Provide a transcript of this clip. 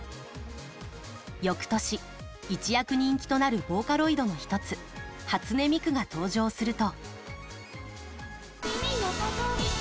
よくとし、一躍人気となるボーカロイドの一つ初音ミクが登場すると。